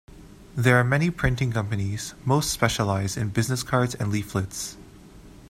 There are many printing companies, most specialize in business cards and leaflets.